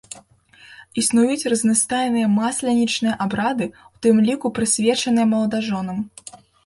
Існуюць разнастайныя масленічныя абрады, у тым ліку прысвечаныя маладажонам.